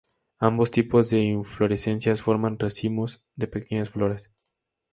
Ambos tipos de inflorescencias forman racimos de pequeñas flores.